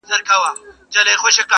تاته هم یو زر دیناره درکومه,